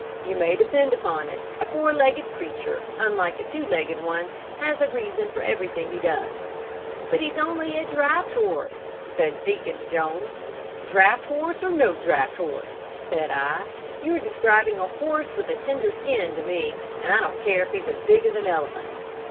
'You may depend upon it, a four legged creature, unlike a two legged one, has a reason for everything he does.' 'But he's only a draught horse,' said Deacon Jones. 'Draught horse or no draught horse,' said I, 'you're describing a horse with a tender skin to me, and I don't care if he's as big as an elephant.'